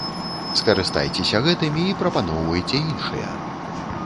Скарыстайцеся гэтымі і прапаноўвайце іншыя.